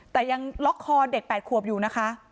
แต่ยังล็อกคอเด็ก๘ขวบอยู่นะคะ